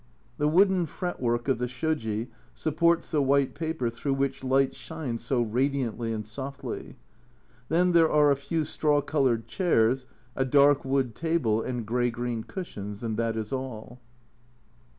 The wooden fretwork of the soji supports the white paper through which light shines so radiantly and softly ; then there are a few straw coloured chairs, a dark wood table and grey green cushions and that is all.